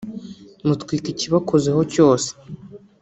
mutwika ikibakozeho cyose